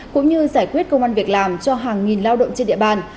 cũng như giải quyết công an việc làm cho hàng nghìn lao động trên đất